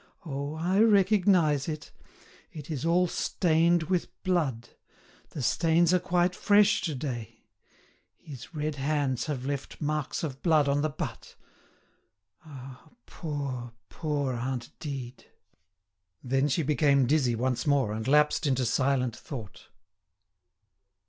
Oh! I recognise it! It is all stained with blood. The stains are quite fresh to day. His red hands have left marks of blood on the butt. Ah! poor, poor aunt Dide!" Then she became dizzy once more, and lapsed into silent thought.